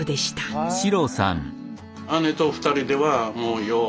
姉と２人ではもうよう